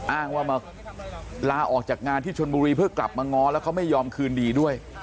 อ้างว่ามาลาออกจากงานที่ชนบุรีเพื่อกลับมาง้อแล้วเขาไม่ยอมคืนดีด้วย